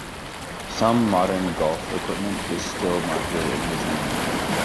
Some modern golf equipment is still marketed in his name.